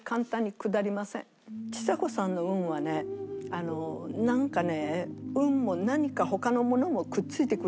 ちさ子さんの運はねなんかね運も何か他のものもくっついてくるような運なのね。